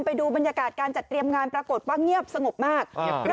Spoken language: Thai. ไปดูบรรยากาศการจัดเตรียมงานปรากฏว่าเงียบสงบมาก